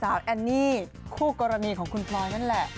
แอนนี่คู่กรณีของคุณพลอยนั่นแหละ